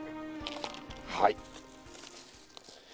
はい